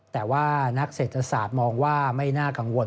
แต่ว่านักเศรษฐศาสตร์มองว่าไม่น่ากังวล